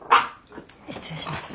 失礼します。